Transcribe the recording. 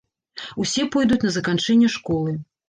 Усе пойдуць на заканчэнне школы.